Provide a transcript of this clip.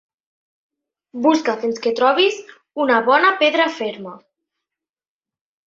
Busca fins que trobis una bona pedra ferma.